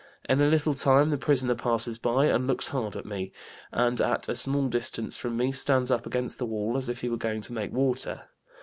In a little time the prisoner passes by, and looks hard at me, and at a small distance from me stands up against the wall as if he was going to make water.